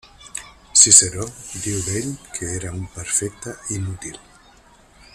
Ciceró diu d'ell que era un perfecte inútil.